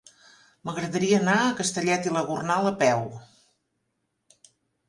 M'agradaria anar a Castellet i la Gornal a peu.